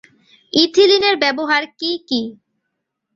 ইথিলিনের ব্যবহার কী কী?